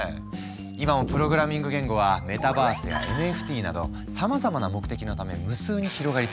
今もプログラミング言語はメタバースやＮＦＴなどさまざまな目的のため無数に広がり続けている。